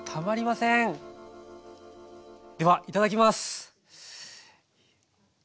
ではいただきます！